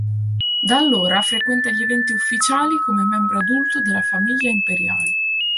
Da allora, frequenta gli eventi ufficiali come membro adulto della famiglia imperiale.